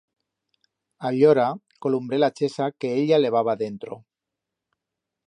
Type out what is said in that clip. Allora columbré la chesa que ella levaba dentro.